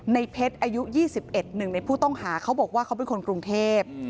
ในเพชรอายุ๒๑ในผู้ต้องหาเขาบอกว่าเขาเป็นคนกรุงเทพ